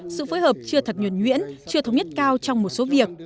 sự phối hợp chưa thật nhuẩn nhuyễn chưa thống nhất cao trong một số việc